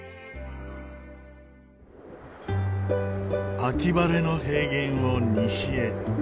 秋晴れの平原を西へ。